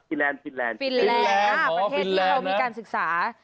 แลนดฟินแลนด์ฟินแลนด์ประเทศที่เรามีการศึกษา